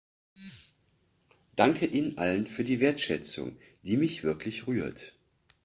Danke Ihnen allen für die Wertschätzung, die mich wirklich rührt.